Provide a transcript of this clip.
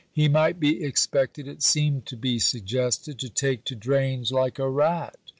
He might be expected, it seemed to be suggested, to take to drains like a rat.